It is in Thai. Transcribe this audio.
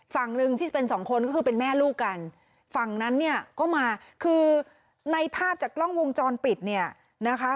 ฝั่งหนึ่งที่เป็นสองคนก็คือเป็นแม่ลูกกันฝั่งนั้นเนี่ยก็มาคือในภาพจากกล้องวงจรปิดเนี่ยนะคะ